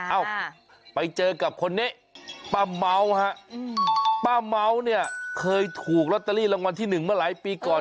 เอ้าไปเจอกับคนนี้ป้าเม้าฮะป้าเม้าเนี่ยเคยถูกลอตเตอรี่รางวัลที่หนึ่งเมื่อหลายปีก่อน